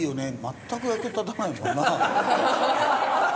全く役に立たないもんな。